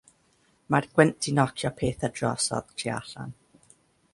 Mae'r gwynt 'di nocio petha' drosodd tu allan.